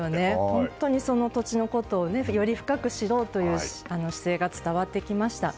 本当に土地のことをより深く知ろうという姿勢が伝わってきました。